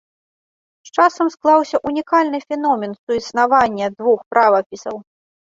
З часам склаўся ўнікальны феномен суіснавання двух правапісаў.